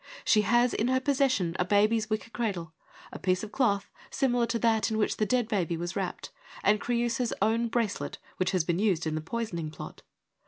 She has in her possession a baby's wicker cradle, a piece of cloth similar to that in which the dead baby was wrapped, and Creiisa's own bracelet which has been used in the poisoning plot.